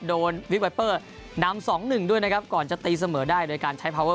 วิกไวเปอร์นำสองหนึ่งด้วยนะครับก่อนจะตีเสมอได้โดยการใช้พาเวอร์